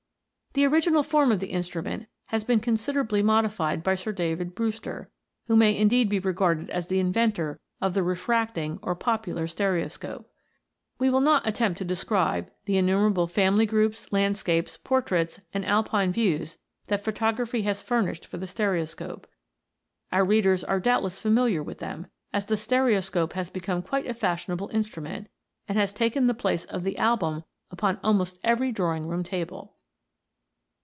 The original form of the instrument has been considerably modified by Sir David Brewster, who may indeed be regarded as the inventor of the refracting or popular stereoscope. We will not attempt to describe the innumerable family groups, landscapes, portraits, and Alpine views, that photography has furnished for the stereo scope. Our readers are doubtless familiar with them, as the stereoscope has become quite a fashion able instrument, and has taken the place of the album upon almost every drawing room table.